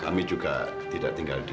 kami juga tidak tinggal di